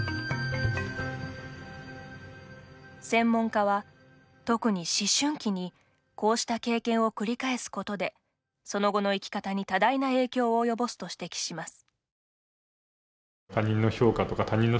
専門家は、特に思春期にこうした経験を繰り返すことでその後の生き方に多大な影響を及ぼすと指摘します。